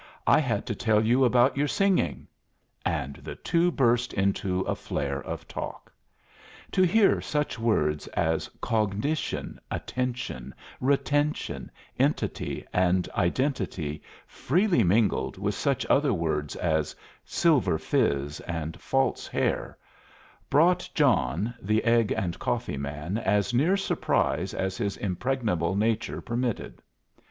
"I had to tell you about your singing." And the two burst into a flare of talk. To hear such words as cognition, attention, retention, entity, and identity, freely mingled with such other words as silver fizz and false hair, brought John, the egg and coffee man, as near surprise as his impregnable nature permitted.